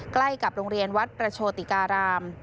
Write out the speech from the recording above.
ใกล้กับโรงเรียนวัดประโชติการาม